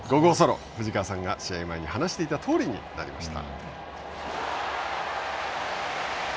前に藤川さんが話していたとおりになりました。